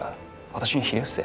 「私にひれ伏せ」。